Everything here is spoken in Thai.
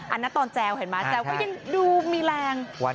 อันนั้นตอนแจวเห็นมั้ยแจวก็ยังดูมีแรงแจวอย่าง